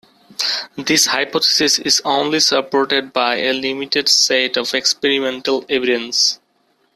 This hypothesis is only supported by a limited set of experimental evidence.